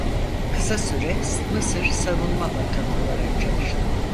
Kısa süre Mısır Savunma Bakanı olarak çalıştı.